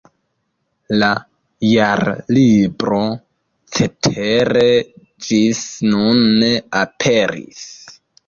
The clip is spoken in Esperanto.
La Jarlibro cetere ĝis nun ne aperis.